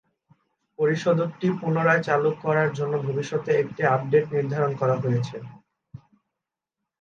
পরিশোধকটি পুনরায় চালু করার জন্য ভবিষ্যতে একটি আপডেট নির্ধারণ করা হয়েছে।